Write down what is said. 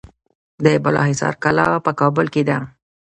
د بالاحصار کلا په کابل کې ده